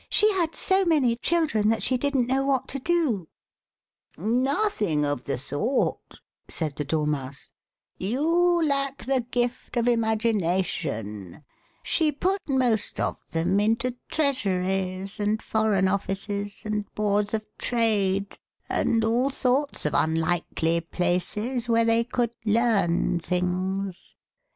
" she had so many children that she didn't know what to do." TRVING TO MAKE HIM LOOK LIKE A LION. "Nothing of the sort," said the Dormouse, "you lack the gift of imagination. She put most of them into Treasuries and Foreign Offices and Boards of 57 The Westminster Alice Trade, and all sorts of unlikely places where they could learn things."